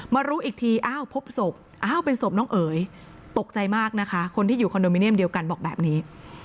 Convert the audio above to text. รู้อีกทีอ้าวพบศพอ้าวเป็นศพน้องเอ๋ยตกใจมากนะคะคนที่อยู่คอนโดมิเนียมเดียวกันบอกแบบนี้